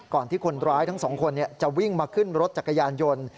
ที่คนร้ายทั้งสองคนจะวิ่งมาขึ้นรถจักรยานยนต์